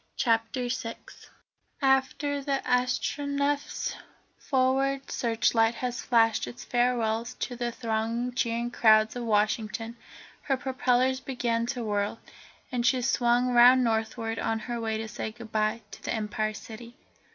CHAPTER VI After the Astronef's forward searchlight had flashed its farewells to the thronging, cheering crowds of Washington, her propellers began to whirl, and she swung round northward on her way to say goodbye to the Empire City.